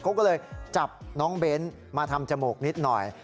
เขาก็เลยจับน้องเบ้นมาทำจมูกนิดหน่อย